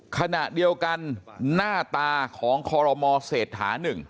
ขณะเดียวกันหน้าตาของคอรมอเศรษฐา๑